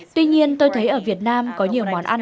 tuy nhiên tôi thấy ở việt nam có nhiều món ăn